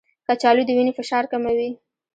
کچالو د وینې فشار کموي.